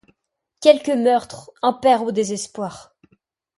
Quelque meurtre! un père au désespoir !